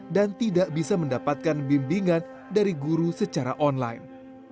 dan tidak bisa mendapatkan bimbingan dari guru secara online